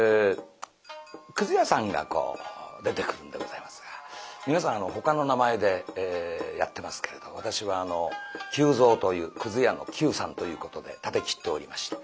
くず屋さんが出てくるんでございますが皆さんほかの名前でやってますけれど私は久蔵というくず屋の久さんということでたてきっておりまして。